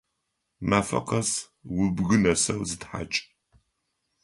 Мафэ къэс убгы нэсэу зытхьакӏ!